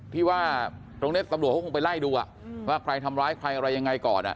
ที่ว่าตรงนี้ตำรวจเขาคงไปไล่ดูว่าใครทำร้ายใครอะไรยังไงก่อน